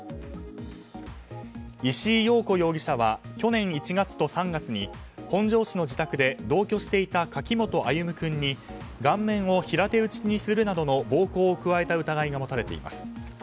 石井陽子容疑者は去年１月と３月に本庄市の自宅で同居していた柿本歩夢君に顔面を平手打ちにするなどの暴行を加えた疑いが持たれています。